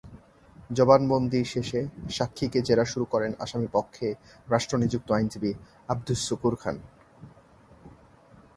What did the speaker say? জবানবন্দি শেষে সাক্ষীকে জেরা শুরু করেন আসামিপক্ষে রাষ্ট্রনিযুক্ত আইনজীবী আবদুস শুকুর খান।